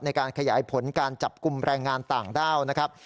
ในการขยายผลการจับกลุ่มแรงงานต่างด้าวนะครับ